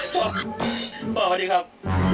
พ่อพอดีครับ